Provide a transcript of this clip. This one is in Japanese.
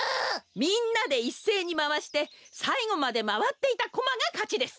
みんなでいっせいにまわしてさいごまでまわっていたコマがかちです。